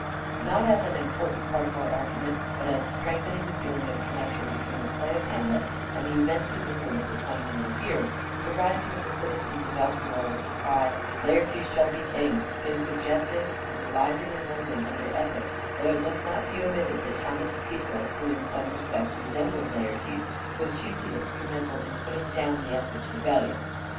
Political Not as an important part of our argument, but as strengthening the feeling of a connection between the play of Hamlet and events in England at the time when it appeared, the rising of the citizens of Elsinor with the cry " Laertes shall be king," is suggestive of the rising in London under Essex, though it must not be omitted that Thomas Cecil, who in some respects resembles Laertes, was chiefly instrumental in putting down the Essex rebellion.